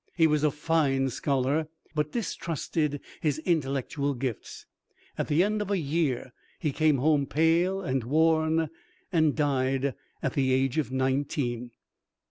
He was a fine scholar, but distrusted his intellectual gifts. At the end of a year he came home, pale and worn, and died at the age of nineteen.